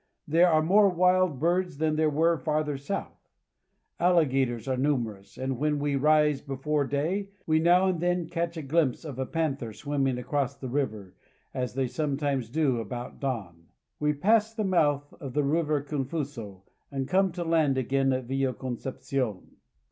There are more wild birds than there were farther south. Alligators are numerous, and when we rise before day we now and then catch a glimpse of a panther swimming across the river, as they sometimes do CARP. S. AM. — 15 234 PARAGUAY. about dawn. We pass the mouth of the river Confuso, and come to land again at Villa Concepcion.